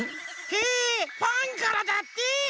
へえファンからだって！